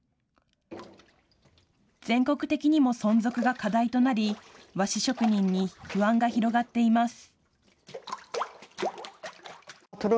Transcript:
全国的にも存続が課題となり和紙職人に不安が広がっています。